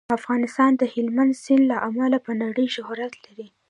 افغانستان د هلمند سیند له امله په نړۍ شهرت لري.